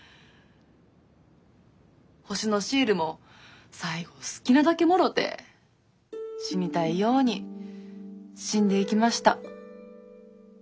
星のシールも最後好きなだけもろて死にたいように死んでいきました。